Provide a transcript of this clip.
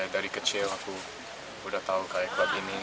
dari kecil aku udah tau klub ini